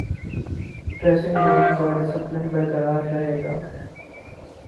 dressing room کا discipline برقرار رہے گا